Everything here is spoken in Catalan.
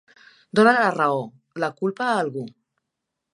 Donar la raó, la culpa, a algú.